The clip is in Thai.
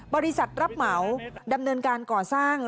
บริษัทรับเหมาดำเนินการก่อสร้าง